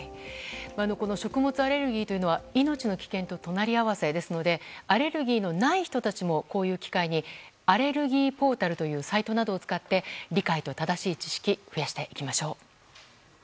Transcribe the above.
食物アレルギーというのは命の危険と隣り合わせですのでアレルギーのない人もこの機会にアレルギーポータルというサイトなどを使って理解と正しい知識を増やしていきましょう。